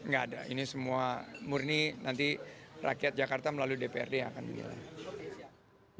nggak ada ini semua murni nanti rakyat jakarta melalui dprd akan menilai